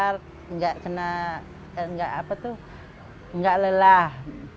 orangnya ya dia berjuang sabar nggak lelah